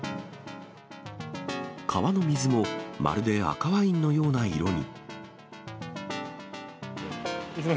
川の水もまるで赤ワインのような色に。